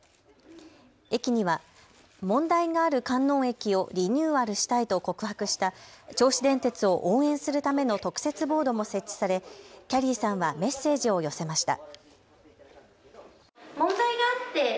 駅には問題がある観音駅をリニューアルしたいと告白した銚子電鉄を応援するための特設ボードも設置されきゃりーさんはメッセージを寄せました。